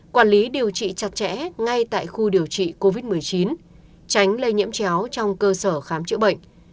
quản lý điều trị chặt chẽ ngay tại khu điều trị covid một mươi chín tránh lây nhiễm chéo trong cơ sở khám chữa bệnh